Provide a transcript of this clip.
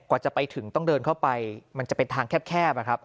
กว่าจะไปถึงต้องเดินเข้าไปมันจะเป็นทางแคบนะครับ